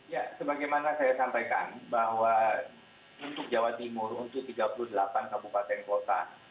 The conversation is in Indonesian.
ya sebagaimana saya sampaikan bahwa untuk jawa timur untuk tiga puluh delapan kabupaten kota